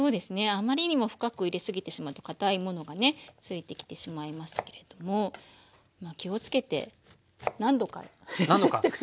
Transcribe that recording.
あまりにも深く入れすぎてしまうとかたいものがねついてきてしまいますけれども気をつけて何度か練習して下さい。